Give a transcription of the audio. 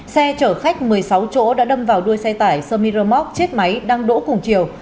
xe chở khách một mươi sáu chỗ đã đâm vào đuôi xe tải sơ miramoc chết máy đang đỗ cùng chiều